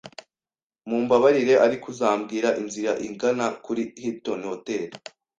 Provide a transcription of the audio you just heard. Mumbabarire, ariko uzambwira inzira igana kuri Hilton Hotel?